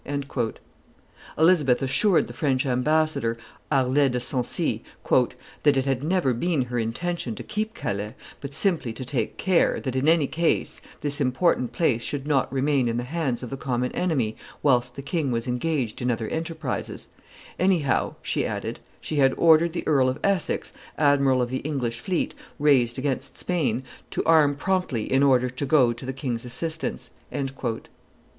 Elizabeth assured the French ambassador, Harlay de Sancy, "that it had never been her intention to keep Calais, but simply to take care that, in any case, this important place should not remain in the hands of the common enemy whilst the king was engaged in other enterprises; anyhow," she added, "she had ordered the Earl of Essex, admiral of the English fleet raised against Spain, to arm promptly in order to go to the king's assistance."